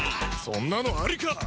そんなのありか！